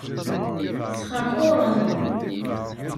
Sxerxuren.